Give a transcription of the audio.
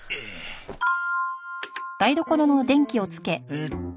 えっと